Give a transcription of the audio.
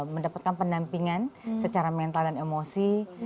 mendapatkan pendampingan secara mental dan emosi